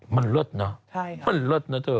มันเลิศน่ะ